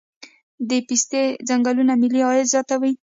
د پستې ځنګلونه ملي عاید زیاتوي